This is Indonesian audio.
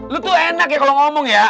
lu tuh enak ya kalau ngomong ya